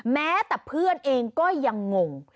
แม้แต่เพื่อนเองก็ยังงง